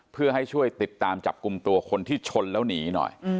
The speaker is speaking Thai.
เพื่อให้ช่วยติดตามจับกลุ่มตัวคนที่ชนแล้วหนีหน่อย